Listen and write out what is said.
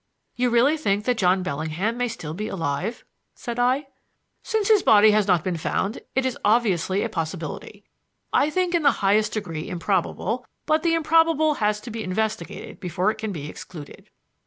"You really think that John Bellingham may still be alive?" said I. "Since his body has not been found, it is obviously a possibility. I think it in the highest degree improbable, but the improbable has to be investigated before it can be excluded."